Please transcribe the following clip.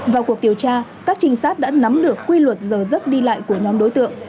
vào cuộc điều tra các trinh sát đã nắm được quy luật giờ giấc đi lại của nhóm đối tượng